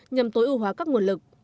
nhằm tối ưu hóa các nguồn lực